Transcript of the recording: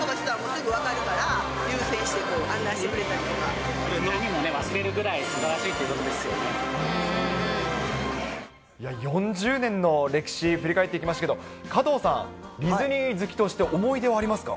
包帯とかしたら痛いところいうたらすぐ分かるから、優先して案内痛みも忘れるくらいすばらし４０年の歴史、振り返っていきましたけど、加藤さん、ディズニー好きとして思い出はありますか？